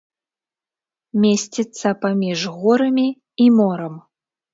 Месціцца паміж горамі і морам.